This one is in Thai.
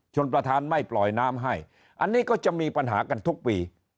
ประธานไม่ปล่อยน้ำให้อันนี้ก็จะมีปัญหากันทุกปี